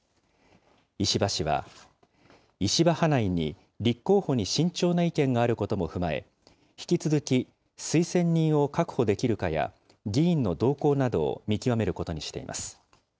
石破氏は、石破派内に立候補に慎重な意見があることも踏まえ、引き続き推薦人を確保できるかや、議員の動向などを見極めることにしています。